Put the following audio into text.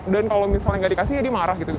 dan kalau misalnya gak dikasih ya dia marah gitu